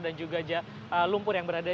dan juga lumpur yang berada